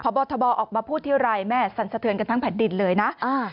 บททบออกมาพูดทีไรแม่สั่นสะเทือนกันทั้งแผ่นดินเลยนะ